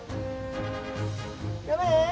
頑張れ！